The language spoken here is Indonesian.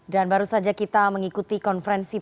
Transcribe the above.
dan baru saja kita mengikuti konferensi